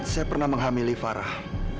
saya pernah menghamili farah